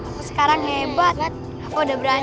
aku sekarang hebat kan aku udah berani